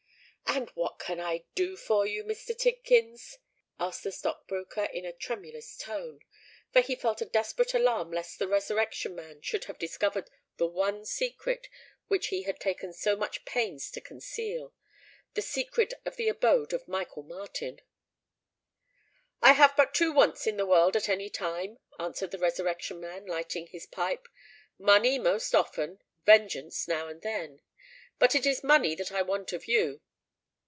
"And what can I do for you, Mr. Tidkins?" asked the stock broker, in a tremulous tone; for he felt a desperate alarm lest the Resurrection Man should have discovered the one secret which he had taken so much pains to conceal—the secret of the abode of old Michael Martin. "I have but two wants in the world at any time," answered the Resurrection Man, lighting his pipe: "money most often—vengeance now and then. But it is money that I want of you."